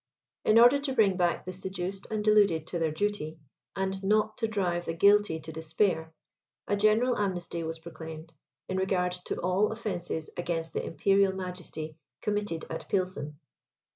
In order to bring back the seduced and deluded to their duty, and not to drive the guilty to despair, a general amnesty was proclaimed, in regard to all offences against the imperial majesty committed at Pilsen.